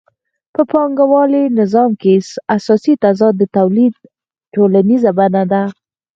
په پانګوالي نظام کې اساسي تضاد د تولید ټولنیزه بڼه ده